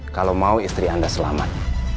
kalau mau istri anda selamat